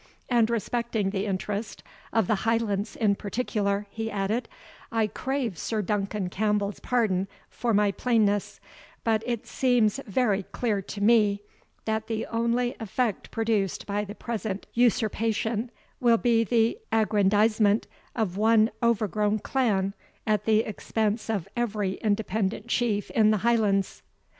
And respecting the interest of the Highlands in particular," he added, "I crave Sir Duncan Campbell's pardon for my plainness; but it seems very clear to me, that the only effect produced by the present usurpation, will be the aggrandisement of one overgrown clan at the expense of every independent Chief in the Highlands."